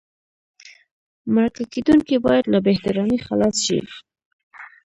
مرکه کېدونکی باید له بې احترامۍ خلاص شي.